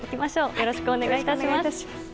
よろしくお願いします。